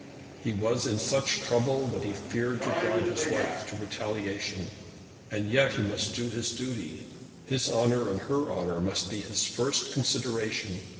He was in such trouble that he feared to drive his wife to retaliation; and yet he must do his duty. His honour and her honour must be his first consideration.